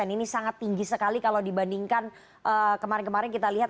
ini sangat tinggi sekali kalau dibandingkan kemarin kemarin kita lihat